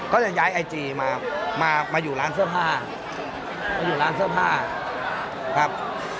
ก็จะย้ายไอจีมามาอยู่ร้านเสื้อผ้ามาอยู่ร้านเสื้อผ้าครับ